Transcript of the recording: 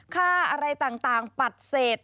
ค่าอะไรต่างปัดเศษ